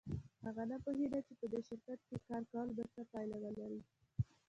هغه نه پوهېده چې په دې شرکت کې کار کول به څه پایله ولري